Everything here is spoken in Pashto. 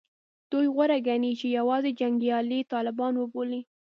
دوی غوره ګڼي چې یوازې جنګیالي طالبان وبولي